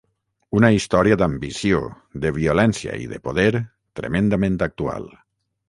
Una història d’ambició, de violència i de poder tremendament actual.